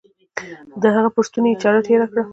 د هغه پر ستوني يې چاړه تېره کړه.